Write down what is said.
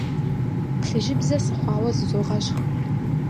Плъыжьыбзэ сыхъуауэ зызогъэщхъ.